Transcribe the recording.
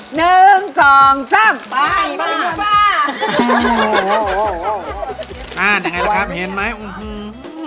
หนึ่งสองสามไปมาโอ้โหอ่ายังไงล่ะครับเห็นไหมอื้อหือ